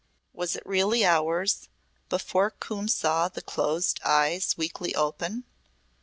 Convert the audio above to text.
Was it really hours before Coombe saw the closed eyes weakly open?